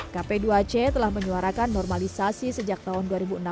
kp dua c telah menyuarakan normalisasi sejak tahun dua ribu enam belas